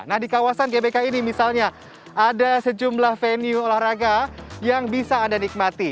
nah di kawasan gbk ini misalnya ada sejumlah venue olahraga yang bisa anda nikmati